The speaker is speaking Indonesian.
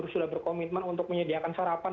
sudah berkomitmen untuk menyediakan sarapan